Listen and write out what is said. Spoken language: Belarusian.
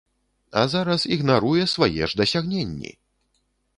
А зараз ігнаруе свае ж дасягненні!